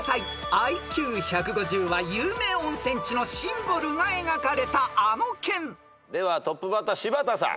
［ＩＱ１５０は有名温泉地のシンボルが描かれたあの県］ではトップバッター柴田さん。